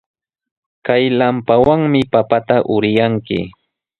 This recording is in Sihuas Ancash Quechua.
Kay lampawanmi papata uryanki.